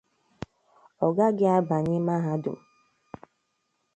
ọ gaghị abanye mahadum